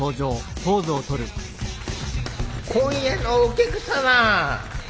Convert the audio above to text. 今夜のお客様！